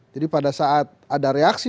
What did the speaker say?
jadi pada saat ada reaksi